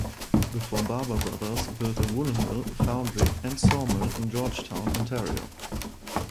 The four Barber brothers built a woollen mill, foundry and sawmill in Georgetown, Ontario.